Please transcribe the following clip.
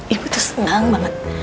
ibu tuh seneng banget